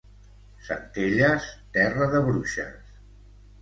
Centelles, terra de bruixes.